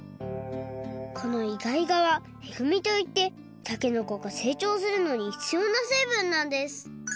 このイガイガはえぐみといってたけのこがせいちょうするのにひつようなせいぶんなんです。